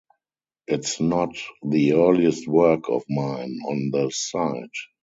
It’s not the earliest work of mine on the site.